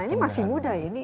ini masih muda ya